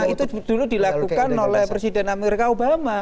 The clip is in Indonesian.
itu dulu dilakukan oleh presiden amerika obama